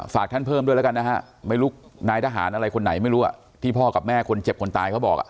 ฝากท่านเพิ่มด้วยแล้วกันนะฮะไม่รู้นายทหารอะไรคนไหนไม่รู้ที่พ่อกับแม่คนเจ็บคนตายเขาบอก